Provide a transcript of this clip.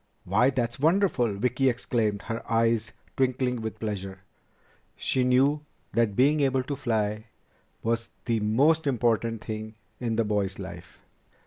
"Why, that's wonderful!" Vicki exclaimed, her eyes twinkling with pleasure. She knew that being able to fly was the most important thing in the boy's life.